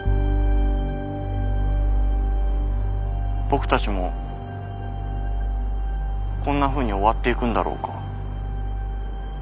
僕たちもこんなふうに終わっていくんだろうか？